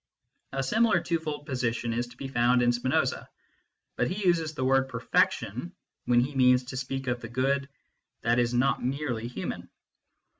A similar twofold position is to be found in Spinoza, but he uses the word " perfection " when he means to speak of the good that is not merely human.